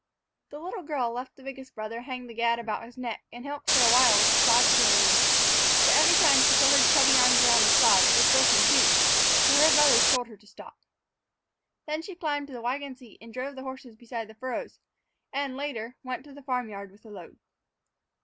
The little girl let the biggest brother hang the gad about his neck and helped for a while with the sod carrying. But every time she put her chubby arms around a slab, it broke in two; so her brothers told her to stop. Then she climbed to the wagon seat and drove the horses beside the furrows, and, later, went to the farm yard with a load.